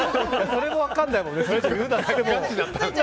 それも分からないもんね。